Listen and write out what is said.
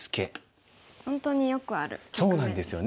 本当によくある局面ですね。